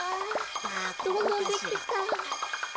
どんどんできてきた。